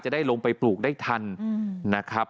ได้ลงไปปลูกได้ทันนะครับ